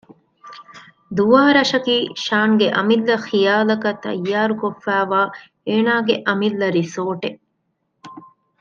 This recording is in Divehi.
ދުވާރަށަކީ ޝާންގެ އަމިއްލަ ޚިޔާލަކަށް ތައްޔާރުކޮށްފައިވާ އޭނާގެ އަމިއްލަ ރިސޯރޓެއް